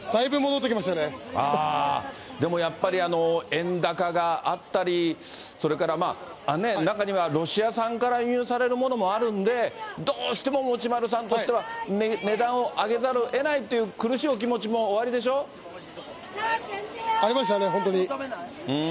でもやっぱり、円高があったり、それから中にはロシア産から輸入されるものもあるんで、どうしても持丸さんとしては値段を上げざるをえないって、ありましたね、本当に。